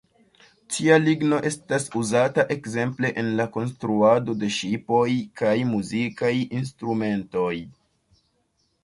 Tia ligno estas uzata ekzemple en la konstruado de ŝipoj kaj de muzikaj instrumentoj.